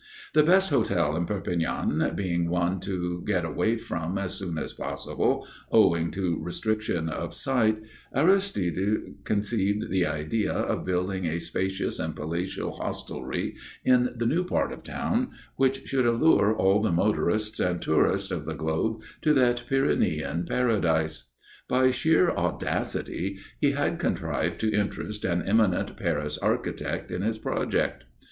The best hotel in Perpignan being one to get away from as soon as possible, owing to restriction of site, Aristide conceived the idea of building a spacious and palatial hostelry in the new part of the town, which should allure all the motorists and tourists of the globe to that Pyrenean Paradise. By sheer audacity he had contrived to interest an eminent Paris architect in his project.